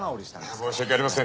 申し訳ありません